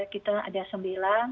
kita ada sembilan